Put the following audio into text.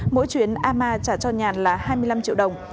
mỗi chuyến ama trả cho nhàn là hai mươi năm triệu đồng